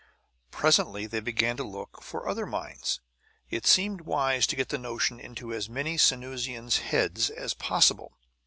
Presently they began to look for other minds. It seemed wise to get the notion into as many Sanusian heads as possible.